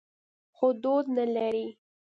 خو دود نه لري.